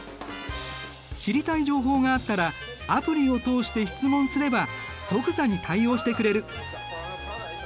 知りたい情報があったらアプリを通して質問すれば即座に対応してくれる。